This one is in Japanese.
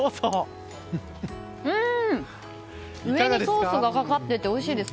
上にソースがかかってておいしいです。